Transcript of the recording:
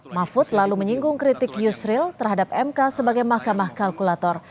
mahfud lalu menyinggung kritik yusril terhadap mk sebagai mahkamah kalkulator